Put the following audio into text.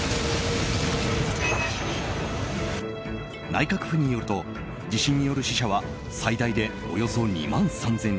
内閣府によると地震による死者は最大でおよそ２万３０００人。